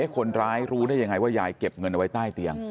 คนร้ายรู้ได้ยังไงว่ายายเก็บเงินเอาไว้ใต้เตียง